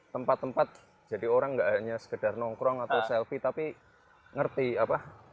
tempat tempat jadi orang nggak hanya sekedar nongkrong atau selfie tapi ngerti apa